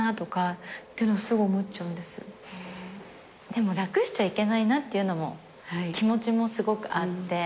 でも楽しちゃいけないなっていう気持ちもすごくあって。